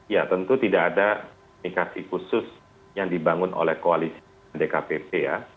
ya tentu tidak ada komunikasi khusus yang dibangun oleh koalisi dkpp ya